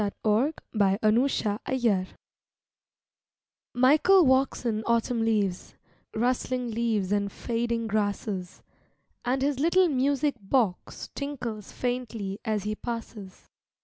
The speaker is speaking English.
Vigils THE TOUCH OF TEARS Michael walks in autumn leaves Rustling leaves and fading grasses, And his little music box Tinkles faintly as he passes.